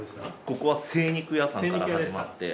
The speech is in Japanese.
ここは精肉屋さんから始まって。